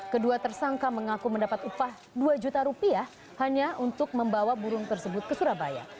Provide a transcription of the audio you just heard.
kedua tersangka mengaku mendapat upah dua juta rupiah hanya untuk membawa burung tersebut ke surabaya